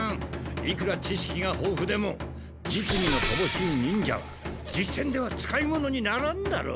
いくら知しきがほうふでも実技のとぼしい忍者は実戦では使い物にならんだろう。